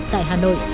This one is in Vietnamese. tại hà nội